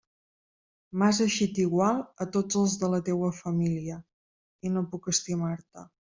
M'has eixit igual a tots els de la teua família, i no puc estimar-te.